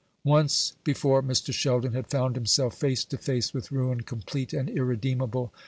Once before, Mr. Sheldon had found himself face to face with ruin complete and irredeemable.